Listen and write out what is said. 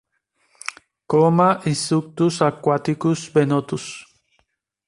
Come insectos acuáticos bentónicos.